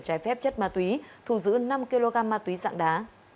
trái phép chất ma túy thù giữ năm kg ma túy dạng đá